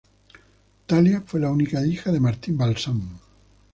Talia fue la única hija de Martin Balsam.